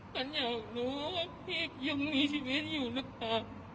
ฉันอยากรู้ว่าพี่ยังมีชีวิตอยู่นะคะ